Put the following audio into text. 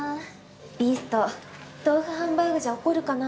ビースト豆腐ハンバーグじゃ怒るかな。